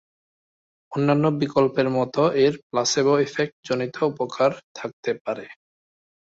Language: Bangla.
অন্যান্য বিকল্পের মত এর ‘‘প্লাসেবো ইফেক্ট’’ জনিত উপকার থাকতে পারে।